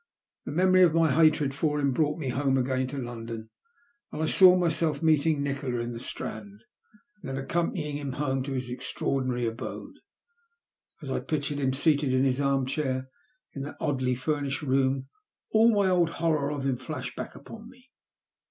The memory of my hatred for him brought me home again to London, and I saw myself meeting Nikola in the Strand, and then accompanying him home to his extraordinary abode. As I pictured him seated in his armchair in that oddly furnished room, all my old horror of him flashed back upon me.